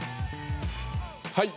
はい。